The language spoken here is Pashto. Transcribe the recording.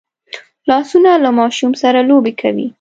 لاسونه له ماشوم سره لوبې کوي